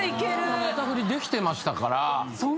ネタ振りできてましたから。